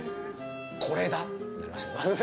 これだ！ってなりました。